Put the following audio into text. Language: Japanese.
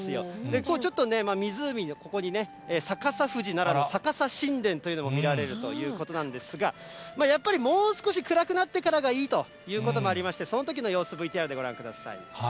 ここ、ちょっと湖、ここにね、逆さ富士ならぬ逆さ神殿というのも見られるということなんですが、やっぱりもう少し暗くなってからがいいということもありまして、そのときの様子、ＶＴＲでご覧ください。